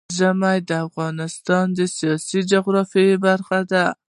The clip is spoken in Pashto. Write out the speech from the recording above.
ژمی د افغانستان د سیاسي جغرافیه برخه ده.